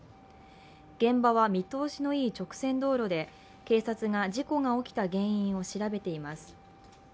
現場は見通しのいい直線道路で警察が事故が起きた原因を調べています。